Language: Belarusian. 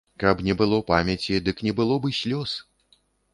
Каб не было памяці, дык не было б і слёз.